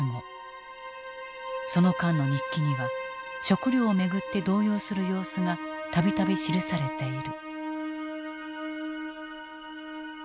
その間の日記には食料を巡って動揺する様子が度々記されている。